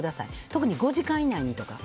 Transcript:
特に５時間以内にとか。